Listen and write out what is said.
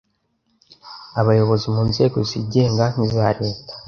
Abayobozi mu nzego zigenga n'iza Leta